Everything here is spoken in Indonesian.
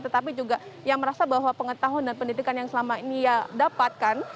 tetapi juga yang merasa bahwa pengetahuan dan pendidikan yang selama ini ia dapatkan